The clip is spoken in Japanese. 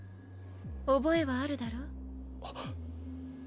覚えはあるだろう？